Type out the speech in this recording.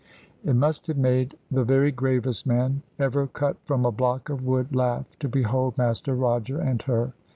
It must have made the very gravest man, ever cut from a block of wood, laugh to behold Master Roger, and her.